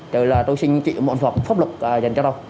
chứ là tôi xin chịu một thuật pháp luật dành cho tôi